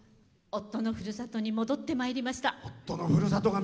夫のふるさとに戻ってまいりました。